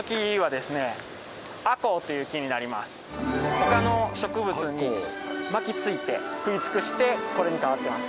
他の植物に巻きついて食い尽くしてこれに変わってます。